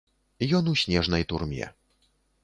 Ён у снежнай турме.